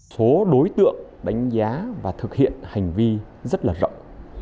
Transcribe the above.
số đối tượng đánh giá và thực hiện hành vi rất là rộng